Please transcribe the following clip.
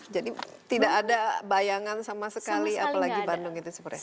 jadi tidak ada bayangan sama sekali apalagi bandung gitu sebenarnya